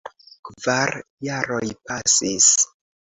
Kvar jaroj pasis.